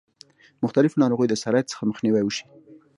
مختلفو ناروغیو د سرایت څخه مخنیوی وشي.